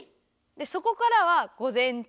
でそこからは「午前中」。